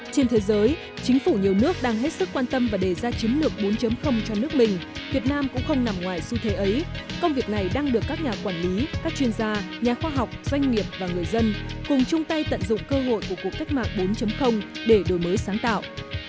trên thế giới chính phủ nhiều nước đang hết sức quan tâm và đề ra chiến lược bốn cho nước mình việt nam cũng không nằm ngoài xu thế ấy công việc này đang được các nhà quản lý các chuyên gia nhà khoa học doanh nghiệp và người dân cùng chung tay tận dụng cơ hội của cuộc cách mạng bốn để đổi mới sáng tạo